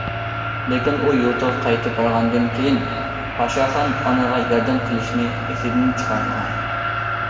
لېكىن ئۇ يۇرتىغا قايتىپ بارغاندىن كېيىن پاشاخان ئانىغا ياردەم قىلىشنى ئېسىدىن چىقارمىغان.